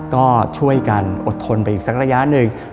ก็ช่วยกันอดทนไปอีกสักระยะหนึ่ง